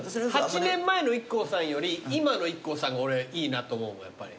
８年前のＩＫＫＯさんより今のＩＫＫＯさんが俺いいなと思うもんやっぱり。